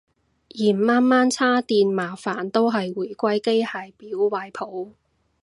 嫌晚晚叉電麻煩都係回歸機械錶懷抱